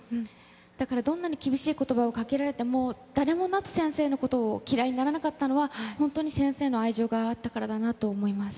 だからどんなに厳しいことばをかけられても、誰も夏先生のことを嫌いにならなかったのは、本当に先生の愛情があったからだなと思います。